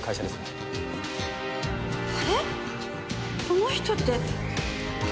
この人って。